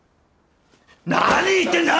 何言ってんだよ！？